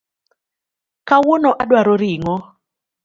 Kawuono adwaro ring’o